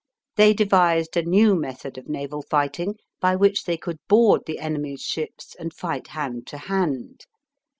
They devised a new method of naval fighting, by which they could board the enemy's ships and fight hand to hand.